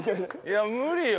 いや無理よ！